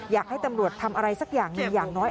อยากให้ตำรวจทำอะไรสักอย่างหนึ่งอย่างน้อย